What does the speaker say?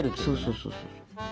そうそうそう。